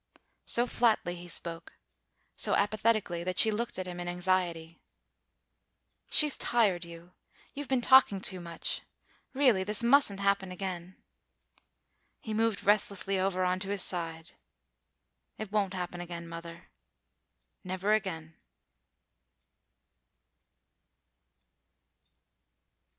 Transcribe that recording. So flatly he spoke, so apathetically, that she looked at him in anxiety. "She has tired you. You have been talking too much. Really, this mustn't happen again...." He moved restlessly over on to his side. "It won't happen again, mother. Never again."